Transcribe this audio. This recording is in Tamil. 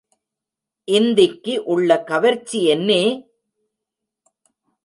இந்திக்கு உள்ள கவர்ச்சி என்னே!